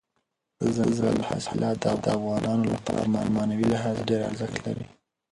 دځنګل حاصلات د افغانانو لپاره په معنوي لحاظ ډېر ارزښت لري.